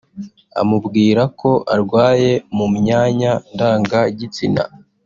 amubwira ko arwaye mu myanya ndangagitsina